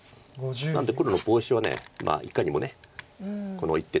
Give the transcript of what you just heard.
なので黒のボウシはいかにもこの一手っていう感じです。